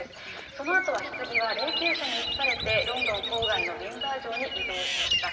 そのあとは、ひつぎは霊きゅう車に移されて、ロンドン郊外のウィンザー城に移動しました。